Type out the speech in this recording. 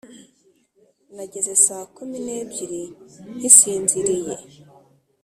nageze saa kumi nebyiri nkisinziriye